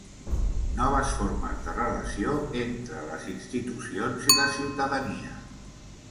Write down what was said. Noves formes de relació entre les institucions i la ciutadania.